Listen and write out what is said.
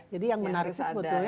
jadi yang menariknya sebetulnya